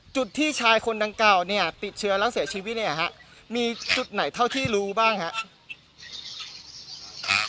จุดที่ชายคนดังกล่าวเนี่ยติดเชื้อแล้วเสียชีวิตเนี่ยฮะมีจุดไหนเท่าที่รู้บ้างครับ